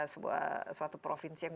sebuah suatu provinsi yang